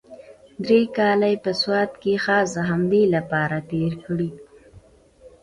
درې کاله يې په سوات کښې خاص د همدې دپاره تېر کړي.